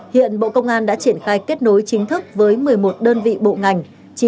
hiện bộ công an đã triển khai kết nối chính thức với một mươi một đơn vị bộ ngành